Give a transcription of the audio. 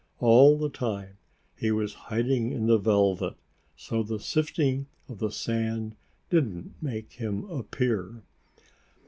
All the time he was hiding in the velvet, so the sifting of the sand didn't make him appear.